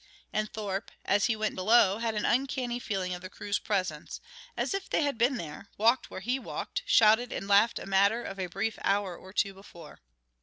And Thorpe, as he went below, had an uncanny feeling of the crew's presence as if they had been there, walked where he walked, shouted and laughed a matter of a brief hour or two before.